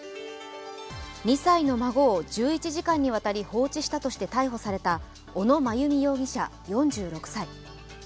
２歳の孫を１１時間にわたり放置したとして逮捕された小野真由美容疑者４６歳。